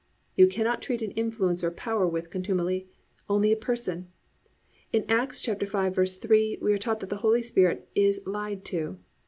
You cannot treat an influence or power with contumely; only a person. In Acts 5:3 we are taught that the Holy Spirit is lied to.